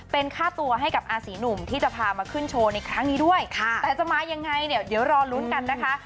เป็นค่าตัวให้กับอาศีหนุ่มที่จะพามาขึ้นโชว์ในครั้งนี้ด้วยแต่จะมายังไงเนี่ยเดี๋ยวรอลุ้นกันนะคะ